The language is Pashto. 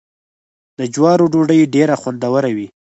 د جوارو ډوډۍ ډیره خوندوره وي.